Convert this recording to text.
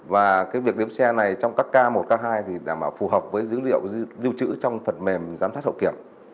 và cái việc đếm xe này trong các k một k hai thì đã phù hợp với dữ liệu dư trữ trong phần mềm giám sát hậu kiểm